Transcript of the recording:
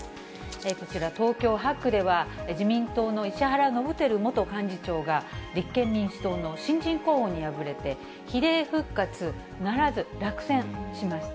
こちら、東京８区では自民党の石原伸晃元幹事長が、立憲民主党の新人候補に敗れて、比例復活ならず落選しました。